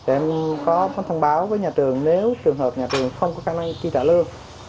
em có thông báo với nhà trường nếu trường học nhà trường không có khả năng ký trả lương